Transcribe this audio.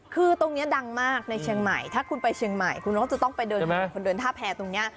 คือตรงนี้ดังมากในเชียงใหม่ถ้าคุณไปเชียงใหม่คุณก็จะต้องไปเดินสำรวจคนเดินท่าแพรตรงนี้